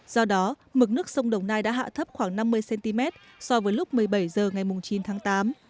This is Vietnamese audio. do đó mực nước sông đồng nai đã hạ thấp khoảng năm mươi cm so với lúc một mươi bảy h ngày chín tháng tám